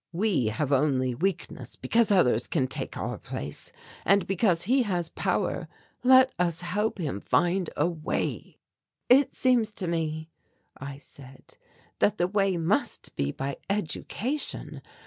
We have only weakness because others can take our place. And because he has power let us help him find a way." "It seems to me," I said, "that the way must be by education.